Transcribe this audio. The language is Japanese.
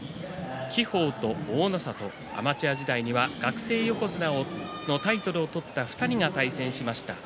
輝鵬と大の里、アマチュア時代には学生横綱のタイトルを取った２人が対戦しました。